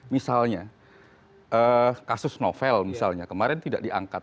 misalnya kasus novel misalnya kemarin tidak diangkat